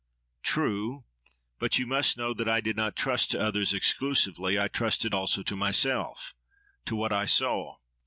—True! But you must know that I did not trust to others exclusively. I trusted also to myself—to what I saw.